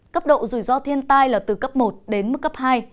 cấp độ rủi ro thiên tai là từ cấp một đến mức cấp hai